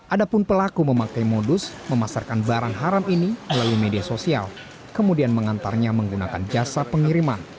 adapun pelaku memakai modus memasarkan barang haram ini melalui media sosial kemudian mengantarnya menggunakan jasa pengiriman